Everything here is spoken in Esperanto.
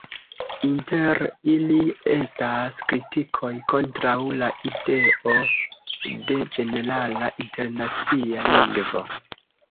Inter ili, estas kritikoj kontraŭ la ideo de ĝenerala internacia lingvo.